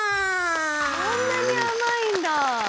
そんなに甘いんだ？